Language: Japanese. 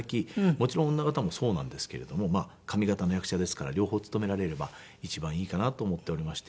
もちろん女形もそうなんですけれども上方の役者ですから両方勤められれば一番いいかなと思っておりまして。